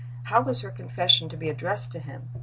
How was her confession to be addressed to him?